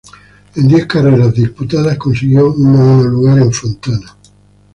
En diez carreras disputadas, consiguió un noveno lugar en Fontana.